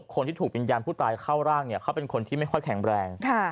เขาเป็นผู้หญิงอยู่ที่นี่นะครับ